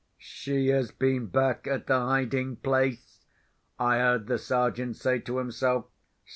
"She has been back at the hiding place," I heard the Sergeant say to himself.